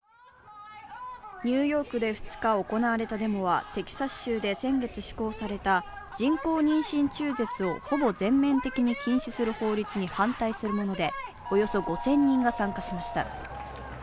ニューヨークで２日、行われたデモはテキサス州で先月施行された人工妊娠中絶をほぼ全面的に禁止する法律に反対するもので、およそ５０００人が参加しました。